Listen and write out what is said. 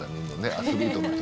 アスリートの。